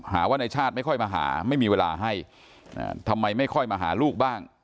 ว่าในชาติไม่ค่อยมาหาไม่มีเวลาให้ทำไมไม่ค่อยมาหาลูกบ้าง